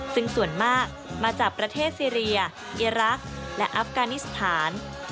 ซึ่งส่วนมากมาจากประเทศซีเรียอีรักษ์และอัฟกานิสถาน